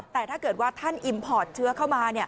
แต่ถ้าเกิดว่าท่านอิมพอร์ตเชื้อเข้ามา